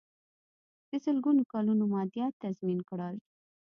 د سلګونو کلونو مادیات تضمین کړل.